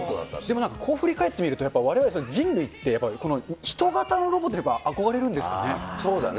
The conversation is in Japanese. でもなんかこう振り返ってみるとやっぱ、われわれ人類って、この人型のロボって、やっぱ憧れそうだね。